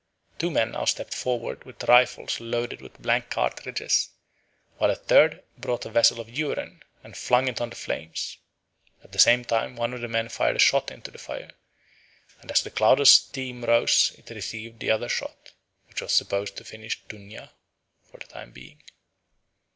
Two men now stepped forward with rifles loaded with blank cartridges, while a third brought a vessel of urine and flung it on the flames. At the same time one of the men fired a shot into the fire; and as the cloud of steam rose it received the other shot, which was supposed to finish Tunña for the time being.